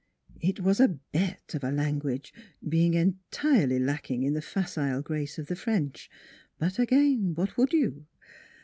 It was a bete of a language, being entirely lack ing in the facile grace of the French; but again, what would you